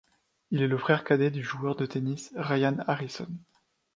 Il est le frère cadet du joueur de tennis Ryan Harrison.